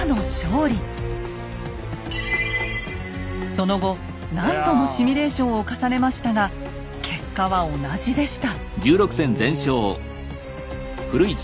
その後何度もシミュレーションを重ねましたが結果は同じでした。